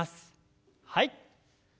はい。